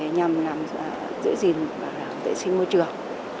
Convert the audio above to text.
nhằm giữ gìn và làm vệ sinh môi trường